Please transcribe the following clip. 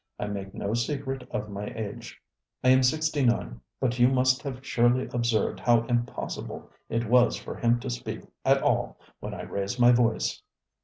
I make no secret of my age; I am sixty nine; but you must have surely observed how impossible it was for him to speak at all when I raised my voice.